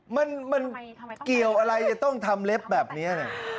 มันเกี่ยวอะไรจะต้องทำเล็บแบบนี้